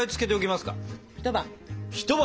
一晩！